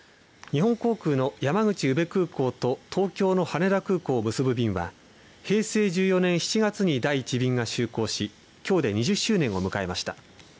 日本航空の山口宇部空港と東京の羽田空港を結ぶ便は平成１４年７月に第１便が就航しきょうで２０周年を迎えました。